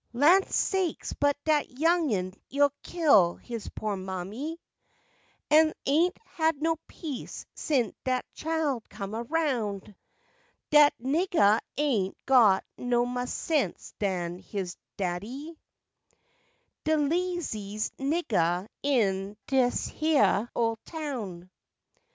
Lan' sakes, but dat young'n' 'ull kill his po' mammy— Ah ain't had no peace since dat chile come aroun'; Dat niggah ain't got no mo' sense dan his daddy, De lazies' niggah in dis heah ol' town.